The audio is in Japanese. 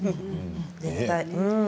絶対。